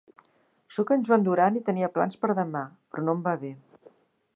Soc en Joan Duran i tenia plans per demà, però no em va bé.